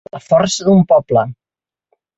La força d’un poble.